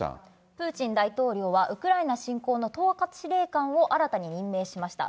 プーチン大統領はウクライナ侵攻の統括司令官を新たに任命しました。